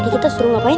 tadi kita suruh ngapain